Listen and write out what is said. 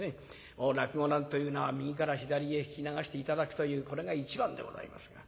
もう落語なんというのは右から左へ聞き流して頂くというこれが一番でございますが。